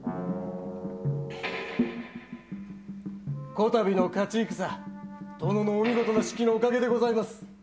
こたびの勝ち戦殿のお見事な指揮のおかげでございます。